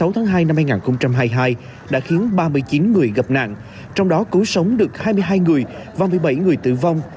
sáu tháng hai năm hai nghìn hai mươi hai đã khiến ba mươi chín người gặp nạn trong đó cứu sống được hai mươi hai người và một mươi bảy người tử vong